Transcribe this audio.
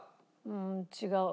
うーん違う。